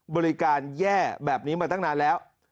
บริการแย่แบบนี้มาตั้งนานแล้ว